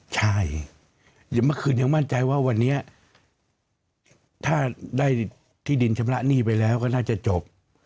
ใช่อย่างเมื่อคืนยังมั่นใจว่าวันนี้ถ้าได้ที่ดินชำระหนี้ไปแล้วก็น่าจะจบ